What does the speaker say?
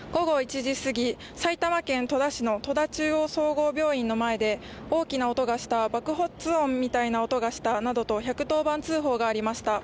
埼玉県戸田市の戸田中央総合病院の前で大きな音がした爆発音みたいな音がしたなどと１１０番通報がありました。